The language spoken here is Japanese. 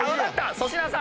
粗品さん！